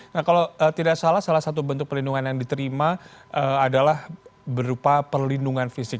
nah kalau tidak salah salah satu bentuk perlindungan yang diterima adalah berupa perlindungan fisik